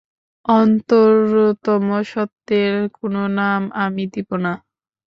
অন্তরতম সত্যের কোন নাম আমি দিব না।